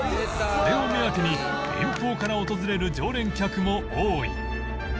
これを目当てに遠方から訪れる常連客も多い